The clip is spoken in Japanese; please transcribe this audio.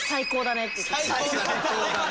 「最高だね」。